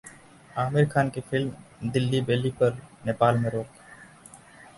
आमिर खान की film ‘Delhi Belly’ पर नेपाल में रोक